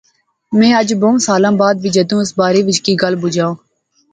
میں اج بہوں سال بعد وی جدوں اس بارے وچ کی گل بجاں